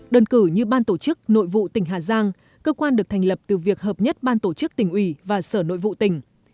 đơn cử như ban tổ chức nội vụ tỉnh hà giang cơ quan được thành lập từ việc hợp nhất ban tổ chức tỉnh ủy và sở nội vụ tỉnh